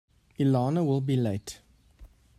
Elena will be late.